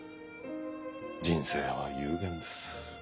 人生は有限です。